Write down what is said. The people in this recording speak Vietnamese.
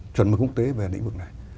chuẩn mực quốc tế về lĩnh vực này